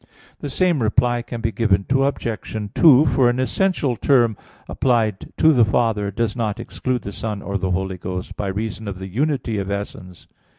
The same Reply can be given to Obj. 2. For an essential term applied to the Father does not exclude the Son or the Holy Ghost, by reason of the unity of essence.